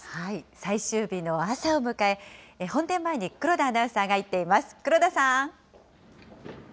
最終日の朝を迎え、本店前に黒田アナウンサーが行っています。